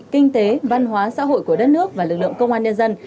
kinh tế văn hóa xã hội của đất nước và lực lượng công an nhân dân